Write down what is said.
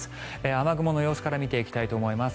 雨雲の様子から見ていきたいと思います。